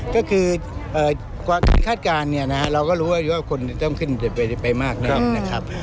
ก็คือการคาดการณ์เนี่ยนะเราก็รู้ว่าคนต้องขึ้นไปมากนักนะครับ